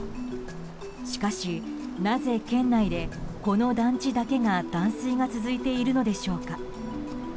しかし、なぜ県内でこの団地だけが断水が続いているのでしょうか。